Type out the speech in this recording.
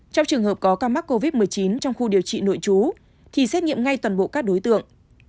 trong trường hợp có ca mắc covid một mươi chín trong khu điều trị nội trú thì xét nghiệm ngay toàn bộ các đối tượng